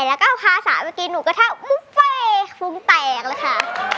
แล้วก็พาสาวไปกินหนูกระทั่งมุ๊คเฟย์ฟุ้งแตกแล้วค่ะ